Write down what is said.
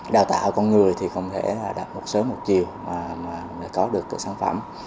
đào tạo con người thì không thể là một sớm một chiều mà có được cái sản phẩm